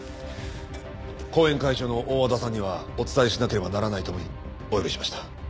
後援会長の大和田さんにはお伝えしなければならないと思いお呼びしました。